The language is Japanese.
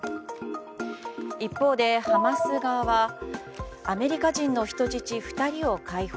一方でハマス側はアメリカ人の人質２人を解放。